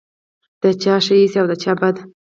د چا ښه ایسې او د چا بد.